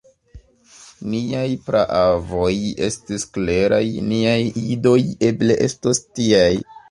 Niaj praavoj estis kleraj; niaj idoj eble estos tiaj.